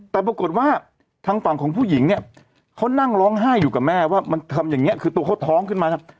แต่ปรากฏว่าทางฝั่งของผู้หญิงเนี่ยเขานั่งร้องไห้อยู่กับแม่ว่ามันทำอย่างนี้คือตัวเขาท้องขึ้นมา